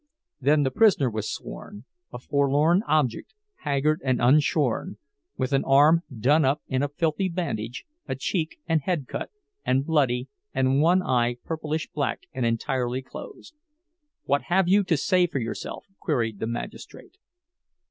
Then the prisoner was sworn—a forlorn object, haggard and unshorn, with an arm done up in a filthy bandage, a cheek and head cut, and bloody, and one eye purplish black and entirely closed. "What have you to say for yourself?" queried the magistrate.